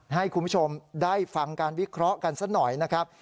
ให้คุณผู้ชมได้ฟังการวิเคราะห์กันสักหน่อยนะครับ